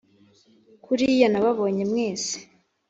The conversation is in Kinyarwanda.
kuriya nababonye mwese